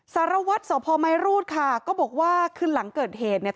สารวัตรสพมรูดค่ะก็บอกว่าคืนหลังเกิดเหตุเนี่ย